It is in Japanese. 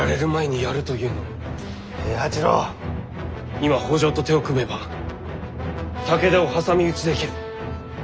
今北条と手を組めば武田を挟み撃ちできる。